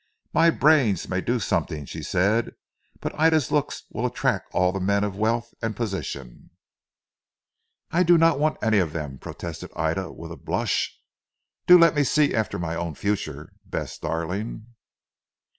"My brains may do something," she said, "but Ida's looks will attract all the men of wealth and position." "I do not want any of them," protested Ida with a blush. "Do let me see after my own future, Bess darling."